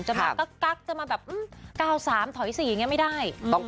จะมากั๊กก๊ากจะมาแบบก้าวสามถอยสี่อย่างงี้ไม่ได้